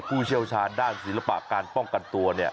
ผู้เชี่ยวชาญด้านศิลปะการป้องกันตัว